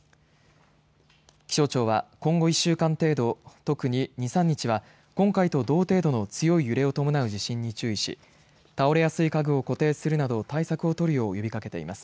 気象庁は今後１週間程度特に２、３日は今回と同程度の強い揺れを伴う地震に注意し倒れやすい家具を固定するなど対策を取るよう呼びかけています。